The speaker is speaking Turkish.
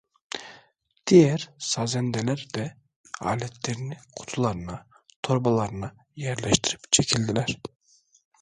Diğer sazendeler de aletlerini kutularına, torbalarına yerleştirip çekildiler.